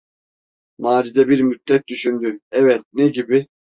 Macide bir müddet düşündü: Evet, ne gibi?